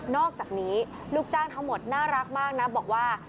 อกจากนี้ลูกจ้างทั้งหมดน่ารักมากนะบอกว่า